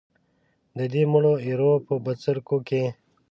د دې مړو ایرو په بڅرکیو کې.